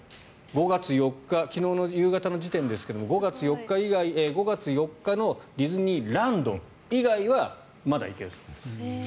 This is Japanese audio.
昨日の夕方の時点ですが５月４日のディズニーランド以外はまだ行けるそうです。